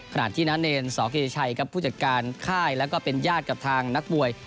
ขณะที่น้าเนรสกิริชัยครับผู้จัดการค่ายแล้วก็เป็นญาติกับทางนักมวย